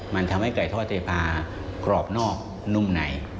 มันทำให้ไก่ทอดเทพากรอบนอกนุ่มไหน